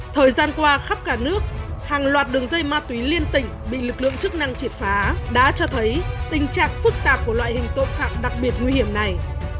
thời gian qua khắp cả nước hàng loạt đường dây ma túy liên tỉnh bị lực lượng chức năng triệt phá đã cho thấy tình trạng phức tạp của loại hình tội phạm đặc biệt nguy hiểm này